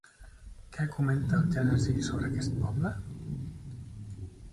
Què comenta el Gènesi sobre aquest poble?